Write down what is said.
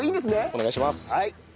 お願いします。